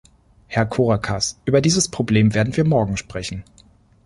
Herr Korakas, über dieses Problem werden wir morgen sprechen.